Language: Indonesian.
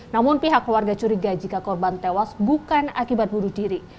namun pihak keluarga curiga jika korban tewas bukan akibat bunuh diri